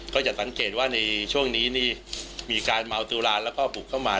ก็จะสังเกตว่าในช่วงนี้นี่มีการเมาสุราแล้วก็บุกเข้ามา